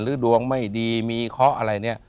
หรือดวงไม่ดีมีเคราะห์อะไรเนี่ย